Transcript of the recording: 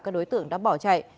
các đối tượng đã bỏ chạy